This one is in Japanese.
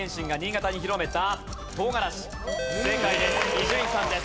伊集院さんです